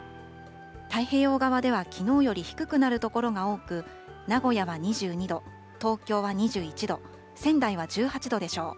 太平洋側ではきのうより低くなる所が多く、名古屋は２２度、東京は２１度、仙台は１８度でしょう。